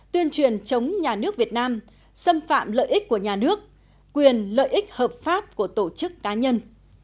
tuyên truyền chống nhà nước việt nam xâm phạm lợi ích của nhà nước quyền lợi ích hợp pháp của tổ chức cá nhân